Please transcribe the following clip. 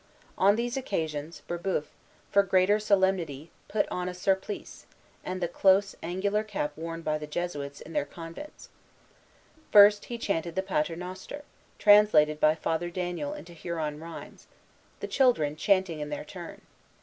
On these occasions, Brébeuf, for greater solemnity, put on a surplice, and the close, angular cap worn by Jesuits in their convents. First he chanted the Pater Noster, translated by Father Daniel into Huron rhymes, the children chanting in their turn.